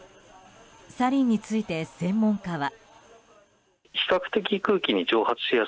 サリンについて、専門家は。